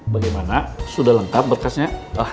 bagaimana sudah lengkap bekasnya